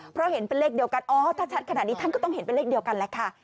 เพราะเห็นเป็นเลขเดียวกันอ๋อถ้าชัดขนาดนี้ท่านก็ต้องเห็นเป็นเลขเดียวกันแหละค่ะ